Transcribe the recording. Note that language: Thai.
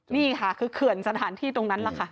นี่ค่ะคือเขื่อนสถานที่ตรงนั้นแหละค่ะ